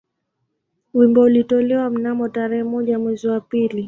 Wimbo ulitolewa mnamo tarehe moja mwezi wa pili